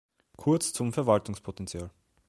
Kurz zum Verwaltungspotential.